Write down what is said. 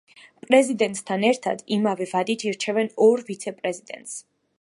პრეზიდენტთან ერთად, იმავე ვადით, ირჩევენ ორ ვიცე-პრეზიდენტს.